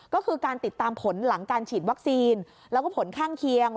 ก็คือการติดตามผลหลังการฉีดวัคซีนแล้วก็ผลข้างเคียง